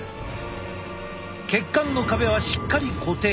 血管の壁はしっかり固定。